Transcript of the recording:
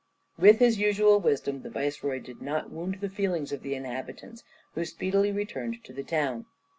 ] With his usual wisdom, the viceroy did not wound the feelings of the inhabitants, who speedily returned to the town.